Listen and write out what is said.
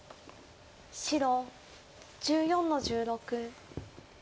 白１４の十六。